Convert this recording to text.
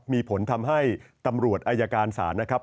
มีผลทำให้ตำรวจอายการศาลนะครับ